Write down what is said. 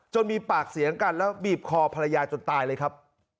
มีปากเสียงกันแล้วบีบคอภรรยาจนตายเลยครับ